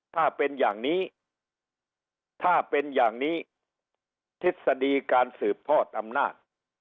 ถ้าเป็นอย่างนี้ทฤษฎีการสืบพอดอำนาจ